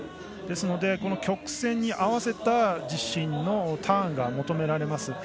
ですので曲線に合わせた自身のターンが求められます。